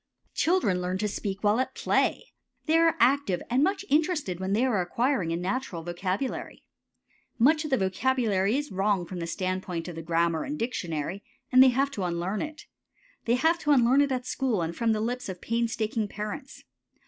Children learn to speak while at play. They are active and much interested when they are acquiring a natural vocabulary. Much of the vocabulary is wrong from the standpoint of the grammar and dictionary, and they have to unlearn it. They have to unlearn it at school and from the lips of pains taking parents.